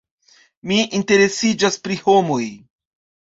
Mi interesiĝas pri homoj.